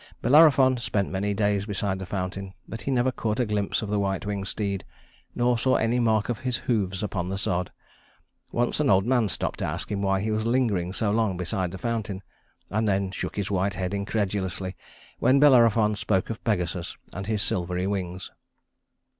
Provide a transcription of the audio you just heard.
Bellerophon spent many days beside the fountain, but he never caught a glimpse of the white winged steed, nor saw any mark of his hoofs upon the sod. Once an old man stopped to ask him why he was lingering so long beside the fountain, and then shook his white head incredulously when Bellerophon spoke of Pegasus and his silvery wings.